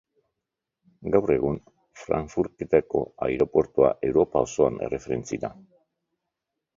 Gaur egun Frankfurteko aireportua Europa osoan erreferentzia da.